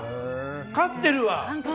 勝ってるわ。